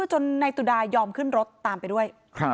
จนนายสุดายอมขึ้นรถตามไปด้วย